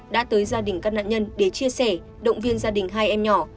đã tới gia đình các nạn nhân để chia sẻ động viên gia đình hai em nhỏ